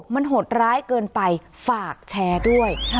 มันหดร้ายเกินไปฝากแชร์ด้วย